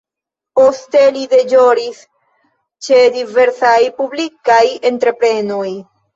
Poste li deĵoris ĉe diversaj publikaj entreprenoj.